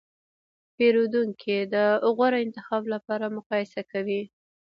پیرودونکي د غوره انتخاب لپاره مقایسه کوي.